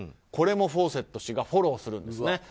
これもフォーセット氏がフォローするんですね。